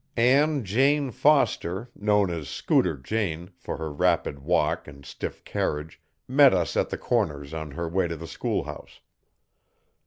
Ann Jane Foster, known as 'Scooter Jane', for her rapid walk and stiff carriage, met us at the corners on her way to the schoolhouse.